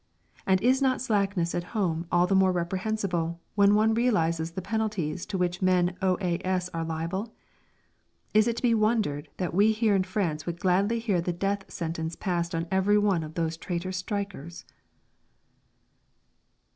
And is not slackness at home all the more reprehensible when one realises the penalties to which men O.A.S. are liable? Is it to be wondered at that we in France would gladly hear the death sentence passed on every one of those traitor strikers?